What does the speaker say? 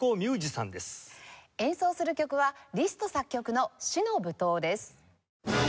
演奏する曲はリスト作曲の『死の舞踏』です。